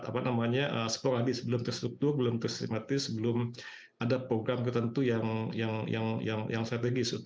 sebenarnya sebelum terstruktur belum terstigmatis belum ada program tertentu yang strategis